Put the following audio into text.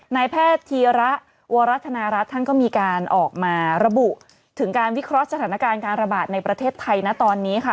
นายแพทย์ธีระวรัฐนารัฐท่านก็มีการออกมาระบุถึงการวิเคราะห์สถานการณ์การระบาดในประเทศไทยนะตอนนี้ค่ะ